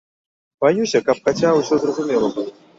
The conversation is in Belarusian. Баюся, каб хаця ўсё зразумела было.